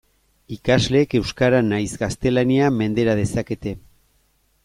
Ikasleek euskara nahiz gaztelania mendera dezakete.